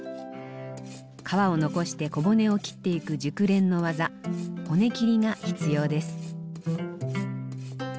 皮を残して小骨を切っていく熟練の技骨切りが必要です。